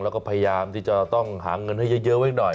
แล้วก็พยายามที่จะต้องหาเงินให้เยอะไว้หน่อย